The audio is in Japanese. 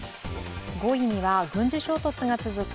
５位には軍事衝突が続く